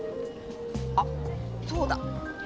あっそうだ！